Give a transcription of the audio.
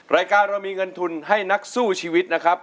รายการเรามีเงินทุนให้นักสู้ชีวิตนะครับ